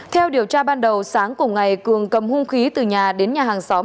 theo điều tra ban đầu sáng cùng ngày cường cầm hung khí từ nhà đến nhà hàng xóm